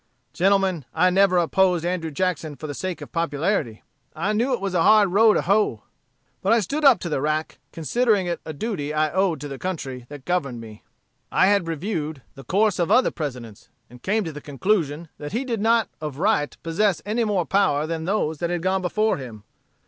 "Gentlemen, I never opposed Andrew Jackson for the sake of popularity. I knew it was a hard row to hoe; but I stood up to the rack, considering it a duty I owed to the country that governed me. I had reviewed the course of other Presidents, and came to the conclusion that he did not of right possess any more power than those that had gone before him.